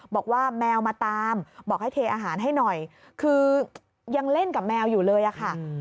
บอกว่าแมวมาตามบอกให้เทอาหารให้หน่อยคือยังเล่นกับแมวอยู่เลยอะค่ะ